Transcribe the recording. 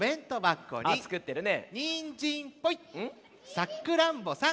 「さくらんぼさん」。